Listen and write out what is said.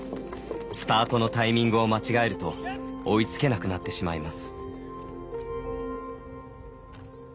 スタートのタイミングを間違えると追いつけなくなってしまいます。